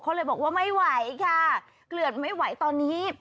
เขาเลยบอกว่าไม่ไหวค่ะเกลือดไม่ไหวตอนนี้